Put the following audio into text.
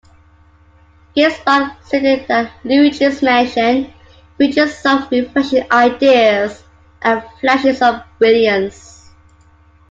GameSpot stated that "Luigi's Mansion" "features some refreshing ideas" and "flashes of brilliance.